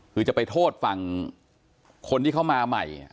คือจะไปโทษฝั่งคนที่เขามาใหม่